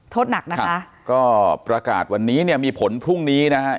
โทษหนักนะคะก็ประกาศวันนี้เนี่ยมีผลพรุ่งนี้นะฮะ